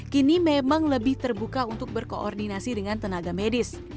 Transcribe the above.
kini memang lebih terbuka untuk berkoordinasi dengan tenaga medis